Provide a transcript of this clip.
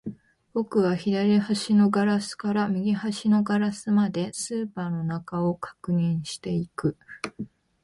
僕は左端のガラスから右端のガラスまで、スーパーの中を確認していく